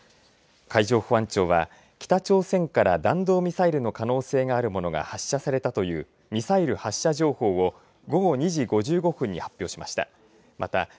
海上保安庁は北朝鮮から弾道ミサイルの可能性があるものが発射されたというミサイル発射情報を午後２時５５分に発表しました。